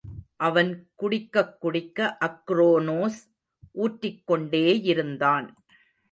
அவன் குடிக்கக் குடிக்க அக்ரோனோஸ் ஊற்றிக்கொண்டேயிருந்தான்.